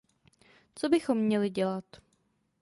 Co bychom měli dělat?